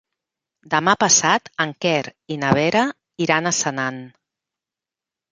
Demà passat en Quer i na Vera iran a Senan.